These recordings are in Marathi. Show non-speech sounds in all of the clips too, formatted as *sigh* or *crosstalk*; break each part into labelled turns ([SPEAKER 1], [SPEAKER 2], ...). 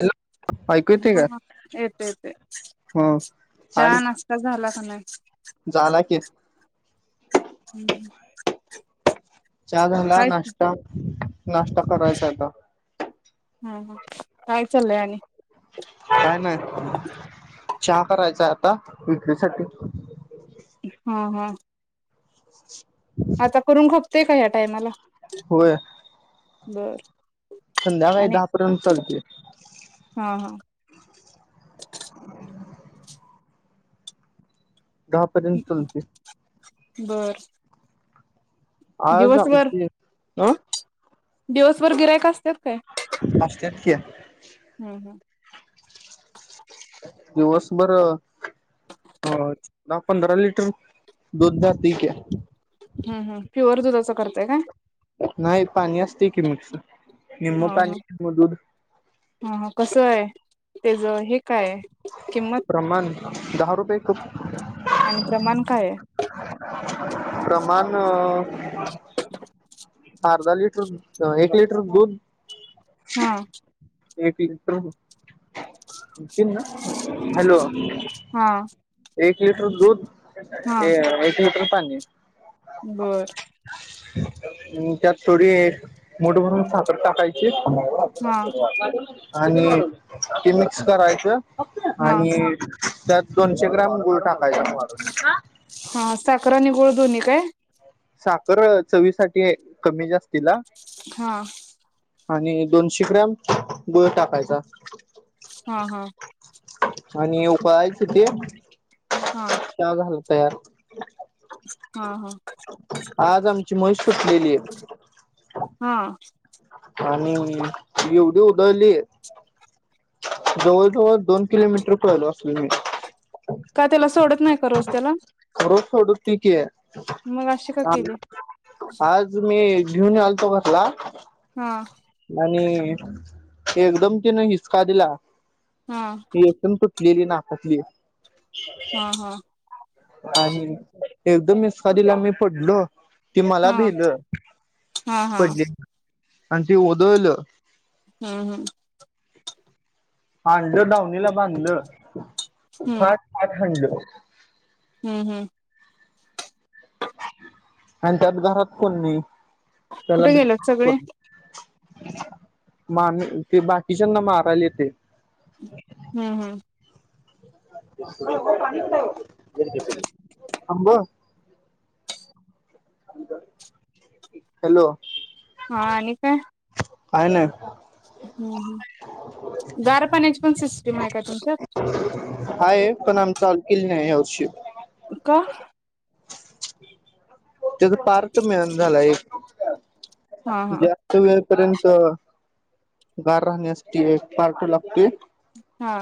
[SPEAKER 1] हॅलो ऐकू येते
[SPEAKER 2] ह
[SPEAKER 1] का
[SPEAKER 2] ह येत येते
[SPEAKER 1] ह
[SPEAKER 2] चहा
[SPEAKER 1] आणि
[SPEAKER 2] नाश्ता झाला. *unintelligible*
[SPEAKER 1] झाला कि
[SPEAKER 2] हम्म.
[SPEAKER 1] चहा झाला,
[SPEAKER 2] काय
[SPEAKER 1] नाष्टा नाष्टा करायचा आहे आता.
[SPEAKER 2] ह ह काय चालय आणि
[SPEAKER 1] काय नाय चहा करायचाय आ का विक्रीसाठी
[SPEAKER 2] हा हा आता करून खूप ते का या टायमाला
[SPEAKER 1] होय.
[SPEAKER 2] बर
[SPEAKER 1] संध्याकाळी
[SPEAKER 2] आणि
[SPEAKER 1] दहा पर्यंत चालतोय.
[SPEAKER 2] हा हा
[SPEAKER 1] *inaudible* दहापर्यंत चालतय.
[SPEAKER 2] बरं
[SPEAKER 1] *inaudible* अ
[SPEAKER 2] दिवस भर गिर्‍हाईक असत्यात काय?
[SPEAKER 1] पाश्चात्य
[SPEAKER 2] हम्म हम्म
[SPEAKER 1] दिवसभर अ दहा पंधरा लिटर दुध जातय, की
[SPEAKER 2] हुं हुं प्युअर दुधाच करताय काय?
[SPEAKER 1] नाही पाणी असतय कि मिक्स निम्म
[SPEAKER 2] हा हा
[SPEAKER 1] पाणी निम्म दूध
[SPEAKER 2] हा हा कसं आहे? तेज
[SPEAKER 1] प्रमाण दहा रुपये खूप
[SPEAKER 2] आणि प्रमाण काय आहे?
[SPEAKER 1] प्रमाण अ अर्धा लिटर एक लिटर दूध
[SPEAKER 2] हा.
[SPEAKER 1] एक लिटर नितीन ना हॅलो
[SPEAKER 2] हा
[SPEAKER 1] ए लिटर दूध
[SPEAKER 2] हा
[SPEAKER 1] एक लिटर *unintelligible*
[SPEAKER 2] बर.
[SPEAKER 1] हम् त्यात थोडी मूठ भरून साखर टाकायची.
[SPEAKER 2] हा
[SPEAKER 1] आणि ते मिक्स करायचं.
[SPEAKER 2] हा
[SPEAKER 1] आणि त्यात दोनशे ग्रॅम गुळ टाकायचा.
[SPEAKER 2] हा साखर आणि गुळ दोन्ही काय?
[SPEAKER 1] साखर चवी साठी कमी जास्तीला.
[SPEAKER 2] हा
[SPEAKER 1] आणि दोनशे ग्रॅम गुळ टाकायचा.
[SPEAKER 2] हा हा.
[SPEAKER 1] आणि उकळायच ते.
[SPEAKER 2] हा
[SPEAKER 1] *unintelligible* तयार
[SPEAKER 2] हा हा.
[SPEAKER 1] आज आमची म्हैस सुटलेली.
[SPEAKER 2] हा.
[SPEAKER 1] आणि एवढी उधळली जवळ जवळ दोन किलोमीटर पळलो असलं मी.
[SPEAKER 2] का त्याला सोडत नाही का रोज त्याला?
[SPEAKER 1] रोज सोडत ती की
[SPEAKER 2] मग अशी का केली?
[SPEAKER 1] आज मी घेऊन यायलतो घरला.
[SPEAKER 2] हा.
[SPEAKER 1] आणि एकदम तिने हिसका दिला.
[SPEAKER 2] हा
[SPEAKER 1] *unintelligible* लेली *unintelligible*
[SPEAKER 2] हा हा.
[SPEAKER 1] आणि एकदम हिसका दिला मी पडलो. ते मला
[SPEAKER 2] हा
[SPEAKER 1] भिलं
[SPEAKER 2] हा हा
[SPEAKER 1] पडली. आणि ती ओदळल
[SPEAKER 2] हम्म हम्म
[SPEAKER 1] आणलं दावणीला बांधलं.
[SPEAKER 2] हम्म
[SPEAKER 1] फाट फाट हानलो. *inaudible*
[SPEAKER 2] हम्म हम्म
[SPEAKER 1] अन त्यात घरात कोण नाही.
[SPEAKER 2] कुठे गेलेत सगळे?
[SPEAKER 1] *unintelligible* ती बाकीच्याना मारायला येतंय
[SPEAKER 2] हम्म हम्म
[SPEAKER 1] *unintelligible* आंब हॅलो
[SPEAKER 2] हा आणि काय
[SPEAKER 1] काय नाय
[SPEAKER 2] हम्म हम्म गार पाण्याची पण सिस्टीम आहे का तुमच्यात
[SPEAKER 1] हाय पण आम्ही चालू केली नाही यावर्षी? *unintelligible*
[SPEAKER 2] का
[SPEAKER 1] तेजं पार्ट मिळना झालाय एक
[SPEAKER 2] हा हा
[SPEAKER 1] जास्त वेळपर्यंत गार राहण्यासाठी एक पार्ट लागतोय
[SPEAKER 2] हा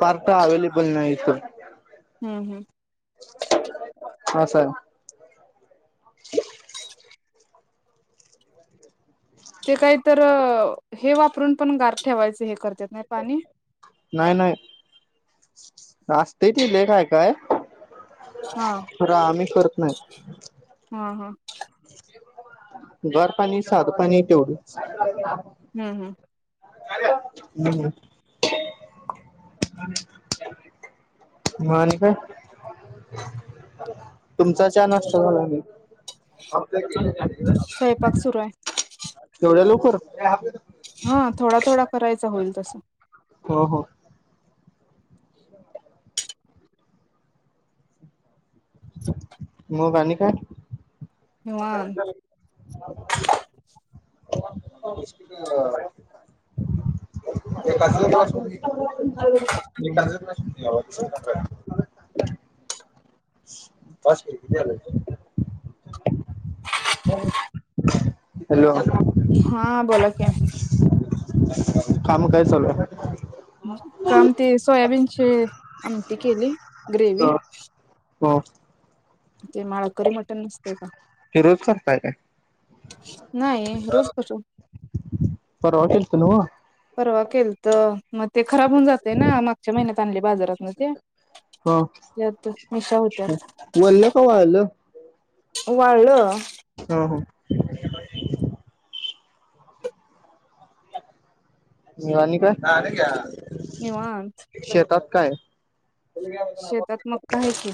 [SPEAKER 1] पार्ट तो अवेलेबल नाही इथं
[SPEAKER 2] हम्म हम्म
[SPEAKER 1] हा सर. *unintelligible*
[SPEAKER 2] ते काही तर हे वापरून पण गार ठेवायचं हे कर त्या *unintelligible* पाणी
[SPEAKER 1] नाय नाय असतय कि लैट हाय काय
[SPEAKER 2] हा
[SPEAKER 1] बरं आम्ही करत नाही
[SPEAKER 2] हा हा
[SPEAKER 1] गार पाणी साधं पाणी तेवढंच
[SPEAKER 2] हम्म हम्म
[SPEAKER 1] हं हं *unintelligible* म आणि काय तुमचा चा नाष्टा झाला कि नाही ऑब्जेक्ट केलं त्यांनी.
[SPEAKER 2] सयपाक सुरू हाय.
[SPEAKER 1] एवढ्या लौकर
[SPEAKER 2] करायचं होईल तसं
[SPEAKER 1] हो हो मग आणि काय
[SPEAKER 2] निवांत
[SPEAKER 1] *unintelligible* *unintelligible* हॅलो
[SPEAKER 2] ह्या बोला की
[SPEAKER 1] काम काय चालू हाय.
[SPEAKER 2] काम ते सोयाबीन *unintelligible* आमटी केली. ग्रेवी
[SPEAKER 1] हा
[SPEAKER 2] ते माळकरी मटण नसतय का
[SPEAKER 1] हे रोज करताय काय
[SPEAKER 2] *inaudible* नाही रोज कसो
[SPEAKER 1] तलवा
[SPEAKER 2] परवा केलत. म ते खराब होऊन जातय ना मागच्या महिन्यात आणलय बाजारातन ते
[SPEAKER 1] हा
[SPEAKER 2] यात मिरच्या होत्या.
[SPEAKER 1] वल्ल का वाळलं
[SPEAKER 2] वाळं
[SPEAKER 1] हा हा निवानी
[SPEAKER 2] निवांत
[SPEAKER 1] *unintelligible* *inaudible* शेतात काय *inaudible*
[SPEAKER 2] शेतात मग काय की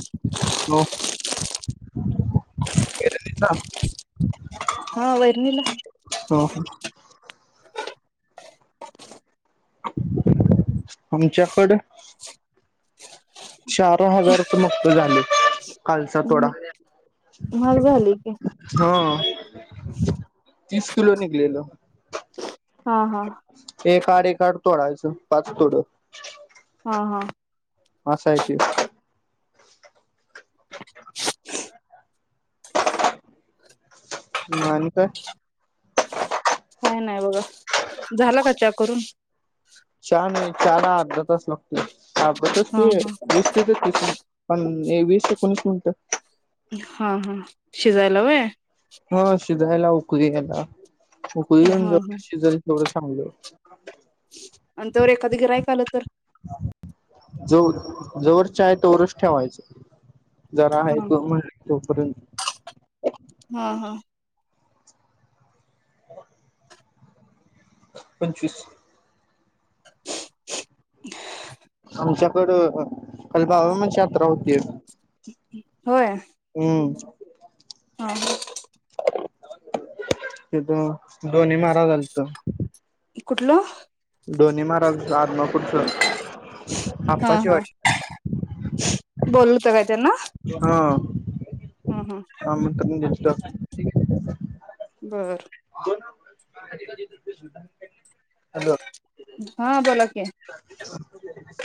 [SPEAKER 2] हा वैरणीला
[SPEAKER 1] हो *inaudible* आमच्याकड चार हजार तर *unintelligible* कालचा तोडा *inaudible*
[SPEAKER 2] महाग झाली की
[SPEAKER 1] हं तीस किलो निघलेलं *inaudible*
[SPEAKER 2] हा हा
[SPEAKER 1] एक आड एक आड तोडायच पाच तोड
[SPEAKER 2] हा हा
[SPEAKER 1] असा आहे की
[SPEAKER 2] *inaudible*
[SPEAKER 1] *inaudible* म आणि काय
[SPEAKER 2] काय नाय बघा झाल का चा करून
[SPEAKER 1] चहा नाही चहाला अर्धा तास
[SPEAKER 2] हा
[SPEAKER 1] लागतोय.
[SPEAKER 2] हा
[SPEAKER 1] *unintelligible* पण हे वीस एकोणीस मिनिट
[SPEAKER 2] हा हा शिजायला व्हय
[SPEAKER 1] हा शिजाय लाऊ कुणी खला होईन *unintelligible* शिजलं तेवढं चांगलं.
[SPEAKER 2] आण तोवर एखाद गिरायिक आलं तर
[SPEAKER 1] जवर चाय तवर च ठेवायचं जरा आहे
[SPEAKER 2] हा
[SPEAKER 1] तो म्हण तोपर्यंत
[SPEAKER 2] *inaudible* हा हा
[SPEAKER 1] पंचवीस
[SPEAKER 2] *unintelligible*
[SPEAKER 1] आमच्याकडं काल *inaudible* बाळूमामाची यात्रा होती. हम्म
[SPEAKER 2] हा.. हा..
[SPEAKER 1] तिथं डोने म्हाराज आलत.
[SPEAKER 2] इ कुठलं?
[SPEAKER 1] डोने माराज आदमापुरच
[SPEAKER 2] हा
[SPEAKER 1] आप्पाची
[SPEAKER 2] हा
[SPEAKER 1] वाडी
[SPEAKER 2] *unintelligible* त्यांना
[SPEAKER 1] *inaudible* हा *unintelligible* हा म्हणता तुम्ही घेतल
[SPEAKER 2] बर
[SPEAKER 1] कधी कधी टुथपेस्ट *unintelligible* हॅलो
[SPEAKER 2] हा बोला की
[SPEAKER 1] *unintelligible*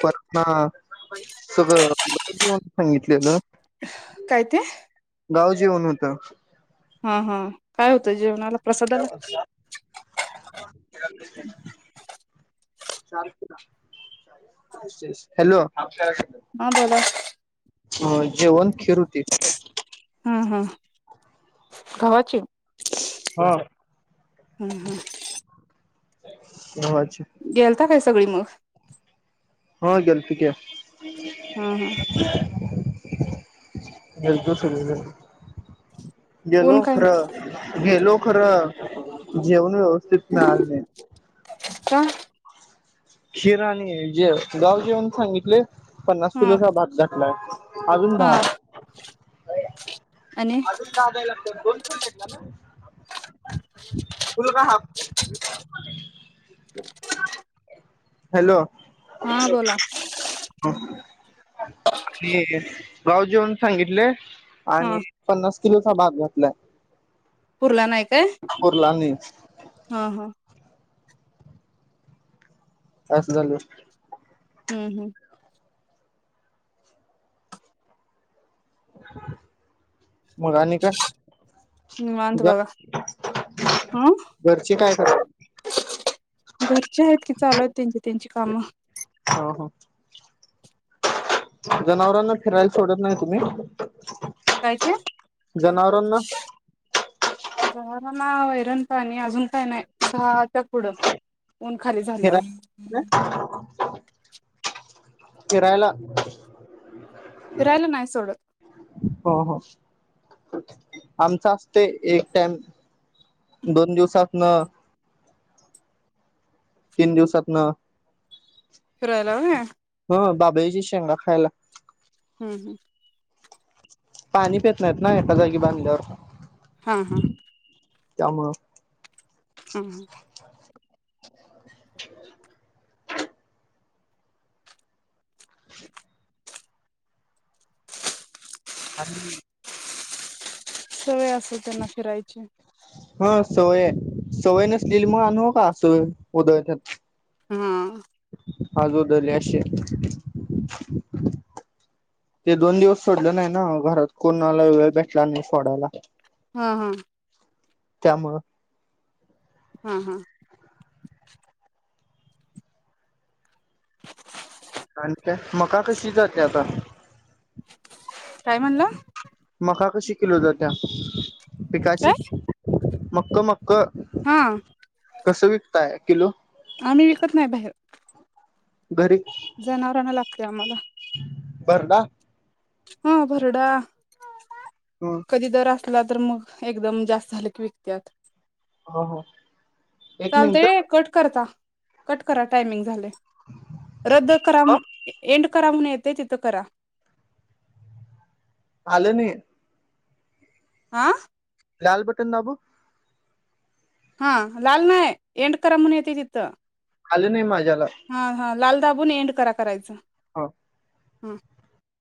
[SPEAKER 1] प ह सगळं *unintelligible* घेऊन सांगितलेलं.
[SPEAKER 2] काय ते?
[SPEAKER 1] गाव जेवण होत
[SPEAKER 2] हा हा काय होतं जेवणाला?
[SPEAKER 1] *unintelligible*
[SPEAKER 2] प्रसादाला
[SPEAKER 1] चालते का? *unintelligible* हॅलो *unintelligible*
[SPEAKER 2] हा बोला
[SPEAKER 1] अ जेवण खीर होती
[SPEAKER 2] हा हा गव्हाची
[SPEAKER 1] हा
[SPEAKER 2] हा हा
[SPEAKER 1] *unintelligible* घवात
[SPEAKER 2] गेलता काय सगळी मग.
[SPEAKER 1] हो गेलतू की
[SPEAKER 2] हा हा
[SPEAKER 1] *unintelligible* गेलतो *unintelligible*
[SPEAKER 2] *inaudible* ऊन
[SPEAKER 1] गेलो
[SPEAKER 2] काय
[SPEAKER 1] खरं गेलो खर जेवून व तिथनं आनलंय
[SPEAKER 2] का
[SPEAKER 1] खीर आणि जे गावजेवण सांगितले पन्नास
[SPEAKER 2] हा
[SPEAKER 1] किलोचा भात घातलाय अजून
[SPEAKER 2] हा
[SPEAKER 1] दहा
[SPEAKER 2] आणि
[SPEAKER 1] अजून दहा द्याय लागत्यात दोन फोन घेतला ना? फुल का हाफ
[SPEAKER 2] *inaudible*
[SPEAKER 1] हॅलो
[SPEAKER 2] हा बोला
[SPEAKER 1] आणि गाव जेवन सांगितल आणि
[SPEAKER 2] हा
[SPEAKER 1] किलोचा भात घातलाय
[SPEAKER 2] पुरला नाई काय
[SPEAKER 1] पुरला आणि
[SPEAKER 2] हं हं
[SPEAKER 1] अस झाल
[SPEAKER 2] हूं हूं
[SPEAKER 1] *unintelligible* काय
[SPEAKER 2] निवांत
[SPEAKER 1] ग
[SPEAKER 2] बघा हा
[SPEAKER 1] घरचे काय करा
[SPEAKER 2] घरची आहेत की चालू आहेत त्यांची त्यांची कामं
[SPEAKER 1] ह जनावरांना फिरायला सोडत नाय तुम्ही
[SPEAKER 2] काय ते
[SPEAKER 1] जनावरांना
[SPEAKER 2] जनावरांना वैरण पाणी अजून काय नाय सा थं पुढं ऊन खाली झाल्यावर
[SPEAKER 1] फिराय फिरायला
[SPEAKER 2] फिरायला नाही सोडत.
[SPEAKER 1] हं हं आमच असतय एक टाइम दोन दिवसातनं तीन दिवसातनं
[SPEAKER 2] फिरायला हो ना
[SPEAKER 1] अ बाभळीची शेंगा खायला
[SPEAKER 2] हम
[SPEAKER 1] पाणी पित नाहीत ना एका जागी बांधल्यावर
[SPEAKER 2] हा हा
[SPEAKER 1] त्यामुळं
[SPEAKER 2] हम
[SPEAKER 1] *inaudible* आणि
[SPEAKER 2] सवय असेल त्यांना फिरायची.
[SPEAKER 1] ह सवय सवय नसलेले मग आणू का असवय उदळत्यात
[SPEAKER 2] हां
[SPEAKER 1] हजोदले अशे ते दोन दिवस सोडलं नाही ना घरात कोणाला वेळ भेटला नाही सोडायला
[SPEAKER 2] हा हा
[SPEAKER 1] त्यामुळं
[SPEAKER 2] हा हा *inaudible*
[SPEAKER 1] आन त्यात मका कशी जाते आता?
[SPEAKER 2] काय म्हणला?
[SPEAKER 1] मका कशी किलो जाते आता?
[SPEAKER 2] काय
[SPEAKER 1] पिकाची मक मक् क
[SPEAKER 2] हा
[SPEAKER 1] कसं विकताय किलो
[SPEAKER 2] आम्ही विकत नाही बाहेर
[SPEAKER 1] घरी
[SPEAKER 2] जनावरांना लागतय आम्हाला
[SPEAKER 1] भरडा
[SPEAKER 2] हा भरडा
[SPEAKER 1] हम्म
[SPEAKER 2] कधी दर अस विकला तर मग एकदम जास्त झालं की विकत्यात.
[SPEAKER 1] हो हो एक मिनिट
[SPEAKER 2] चालतय कट कर अता कट करा टायमिंग झालय रद्द करा म एंड करा म्हणू येतय तिथं करा
[SPEAKER 1] आलं नई
[SPEAKER 2] आ
[SPEAKER 1] लाल बटन दाबू
[SPEAKER 2] हा लाल नाय एंड करा म्हणून येतय तिथं
[SPEAKER 1] आलं नाही मा
[SPEAKER 2] हा हा लाल दाबून एंड करा करायचं
[SPEAKER 1] हो
[SPEAKER 2] हम्